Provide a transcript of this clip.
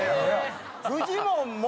フジモンも。